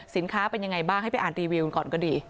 เป็นยังไงบ้างให้ไปอ่านรีวิวกันก่อนก็ดี